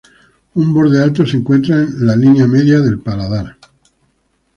Un borde alto se encuentra en la línea media del paladar.